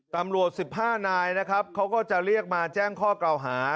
ตำรวจ๑๕นายนะครับเขาก็จะเรียกมาแจ้งข้อเก่าหา